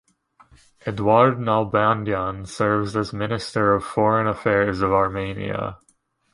Eduard Nalbandyan serves as Minister of Foreign Affairs of Armenia.